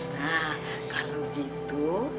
nah kalau gitu